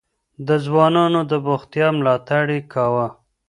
د ځوانانو د بوختيا ملاتړ يې کاوه.